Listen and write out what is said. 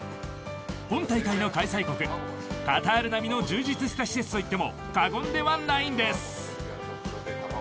今大会の開催国カタール並みの充実した施設といっても過言ではないんです。